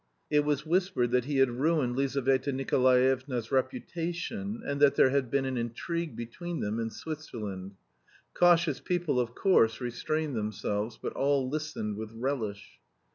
It was whispered that he had ruined Lizaveta Nikolaevna's reputation, and that there had been an intrigue between them in Switzerland. Cautious people, of course, restrained themselves, but all listened with relish.